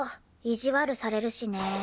意地悪されるしね。